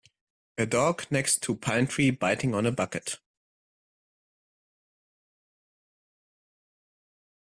A dog next to pine tree biting on a bucket